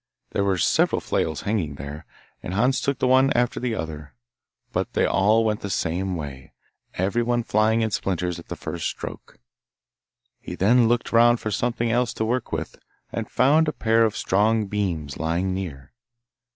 There were several flails hanging there, and Hans took the one after the other, but they all went the same way, every one flying in splinters at the first stroke. He then looked round for something else to work with, and found a pair of strong beams lying near.